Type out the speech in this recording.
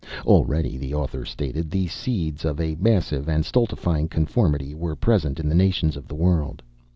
Already, the author stated, the seeds of a massive and stultifying conformity were present in the nations of the world.